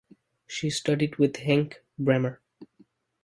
She studied with Henk Bremmer.